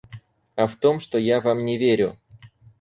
А в том, что я Вам не верю.